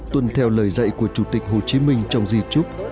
tuân theo lời dạy của chủ tịch hồ chí minh trong di trúc